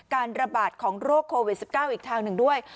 การระบาดของโรคโควิด๑๙อีกทางหนึ่งด้วย